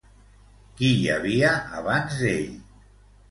Qui hi havia abans d'ell?